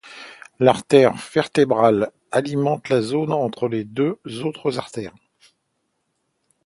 L'artère vertébrale alimente la zone entre les deux autres artères.